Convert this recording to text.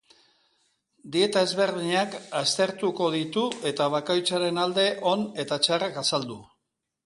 Dieta ezberdinak aztertuko ditu eta bakoitzaren alde on eta txarrak azaldu.